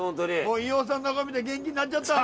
飯尾さんを見て元気になっちゃった。